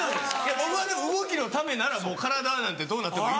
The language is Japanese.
僕はでも動きのためならもう体なんてどうなってもいい。